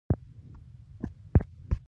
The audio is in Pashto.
د سیاسي مشارکت په برخه کې خوځښتونه وځپل شول.